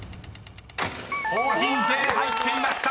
［「法人税」入っていました。